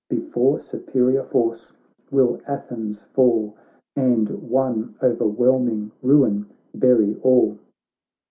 Before superior force will Athens fall And one o'erwhelming ruin bury all.